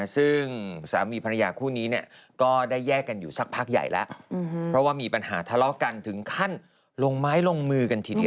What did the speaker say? ซึ่งสามีภรรยาคู่นี้ก็ได้แยกกันอยู่สักพักใหญ่แล้วเพราะว่ามีปัญหาทะเลาะกันถึงขั้นลงไม้ลงมือกันทีเดียว